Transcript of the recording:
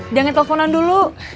jangan teleponan dulu